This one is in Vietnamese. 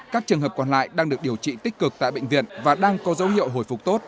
các trường hợp còn lại đang được điều trị tích cực tại bệnh viện và đang có dấu hiệu hồi phục tốt